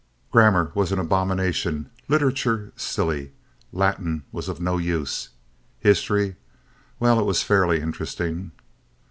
Grammar was an abomination. Literature silly. Latin was of no use. History—well, it was fairly interesting.